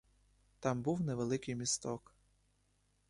Там був невеликий місток.